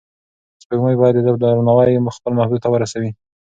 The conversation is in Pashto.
سپوږمۍ باید د ده درناوی خپل محبوب ته ورسوي.